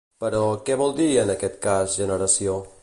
Però, què vol dir en aquest cas “generació”?